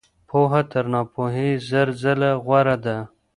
پوهه تر ناپوهۍ زر ځله غوره ده.